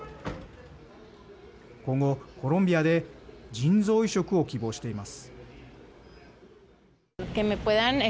今後コロンビアで腎臓移植を希望しています。